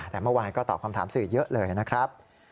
แต่เมื่อวานก็ตอบคำถามสื่อเยอะเลยนะครับ